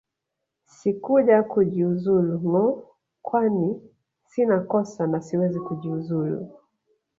Sikuja kujiuzulu ngo kwani sina kosa na siwezi kujiuzulu